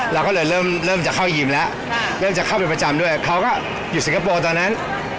เราก็เลยเริ่มจะเข้ายิมแล้วเริ่มจะเข้าเป็นประจำด้วยเขาก็อยู่สิงคโปร์ตอนนั้น